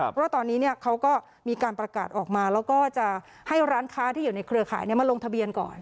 เพราะว่าตอนนี้เขาก็มีการประกาศออกมาแล้วก็จะให้ร้านค้าที่อยู่ในเครือข่ายมาลงทะเบียนก่อน